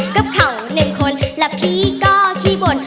กับเขาหนึ่งคนและพี่ก็ขี้บ่น